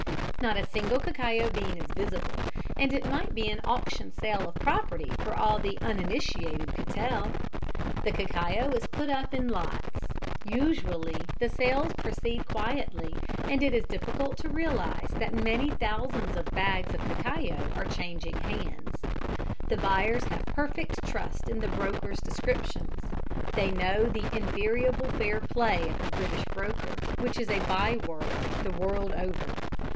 Not a single cacao bean is visible, and it might be an auction sale of property for all the uninitiated could tell. The cacao is put up in lots. Usually the sales proceed quietly, and it is difficult to realize that many thousands of bags of cacao are changing hands. The buyers have perfect trust in the broker's descriptions; they know the invariable fair play of the British broker, which is a by word the world over.